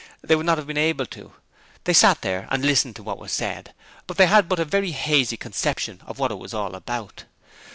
They would not have been able to. They sat there and listened to what was said, but they had but a very hazy conception of what it was all about.